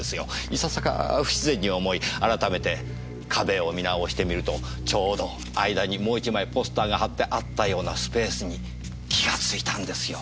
いささか不自然に思い改めて壁を見直してみるとちょうど間にもう１枚ポスターが貼ってあったようなスペースに気がついたんですよ。